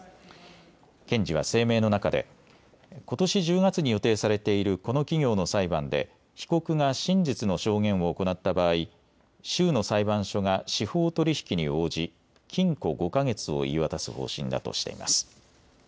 検事は声明の中でことし１０月に予定されているこの企業の裁判で被告が真実の証言を行った場合、州の裁判所が司法取引に応じ、禁錮５か月を言い渡す方針だとしています。